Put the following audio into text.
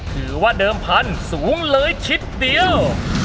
ถือว่าเดิมพันธุ์สูงเลยชิดเดียว